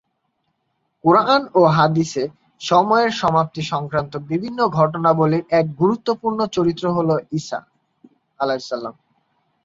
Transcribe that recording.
কুরআন ও হাদিসে "সময়ের সমাপ্তি" সংক্রান্ত বিভিন্ন ঘটনাবলির এক গুরুত্বপূর্ণ চরিত্র হলেন ঈসা।